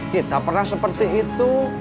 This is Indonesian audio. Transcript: kita pernah seperti itu